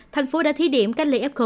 thành phố đã thi điểm cách ly f